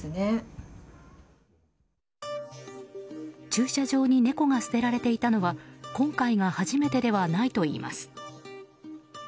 駐車場に猫が捨てられていたのは今回が初めてではないといいます。